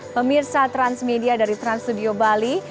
pemirsa transmedia dari trans studio bali